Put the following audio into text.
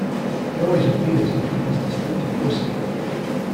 He always appears after his distinctive whistle.